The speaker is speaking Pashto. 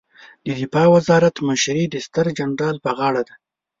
د دفاع وزارت مشري د ستر جنرال په غاړه ده